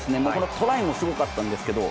トライもすごかったんですけど